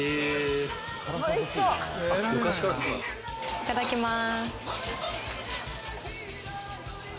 いただきます。